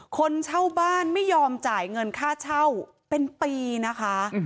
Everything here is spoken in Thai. คนเช่าบ้านไม่ยอมจ่ายเงินค่าเช่าเป็นปีนะคะ